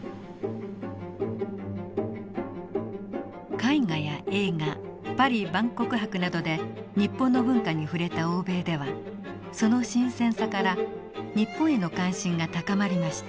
絵画や映画パリ万国博などで日本の文化に触れた欧米ではその新鮮さから日本への関心が高まりました。